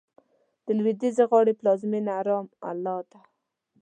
د لوېدیځې غاړې پلازمېنه رام الله ده.